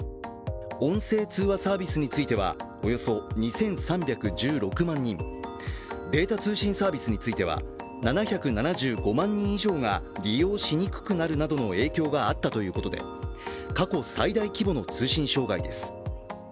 音声通話サービスについてはおよそ２３１６万人、データ通信サービスについては７７５万人以上が利用しにくくなるなどの影響があったということで過去最大規模の通信障害です。